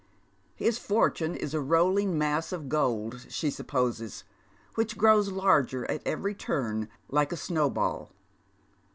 His fortune is a rolling mass of gold, she P'lpposes, which grows larger at every turn, like a snowball.